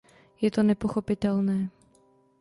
Je to nepochopitelné!.